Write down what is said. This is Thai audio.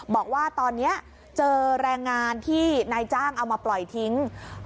บอกว่าตอนนี้เจอแรงงานที่นายจ้างเอามาปล่อยทิ้ง